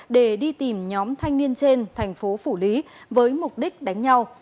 để đi tìm nhóm thanh niên trên thành phố phủ lý với mục đích đánh nhau